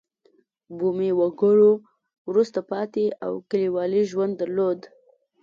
بومي وګړو وروسته پاتې او کلیوالي ژوند درلود.